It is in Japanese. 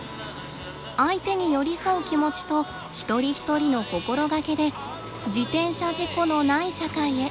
相手に寄り添う気持ちと一人一人の心がけで自転車事故のない社会へ。